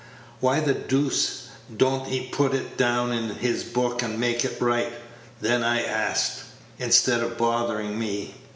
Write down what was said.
Why the doose don't he put it down in his book and make it right, then, I ask, instead of bothering me?